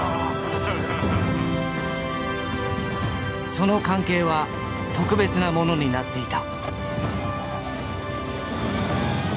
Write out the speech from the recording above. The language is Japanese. その関係は特別なものになっていた。